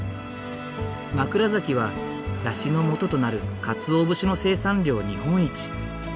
枕崎はだしのもととなる鰹節の生産量日本一。